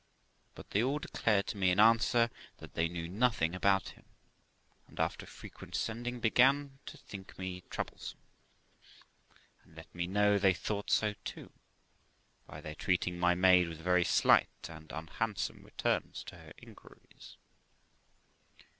But they all declared to me in answer, that they knew nothing about him; and, after frequent sending, began to think me 2OO THE LIFE OF ROXANA troublesome, and to let me know they thought so too, by their treating my maid with very slight and unhandsome returns to her inquiries.